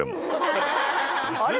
あれ？